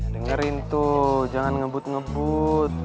dengerin tuh jangan ngebut ngebut